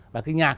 và cái nhạc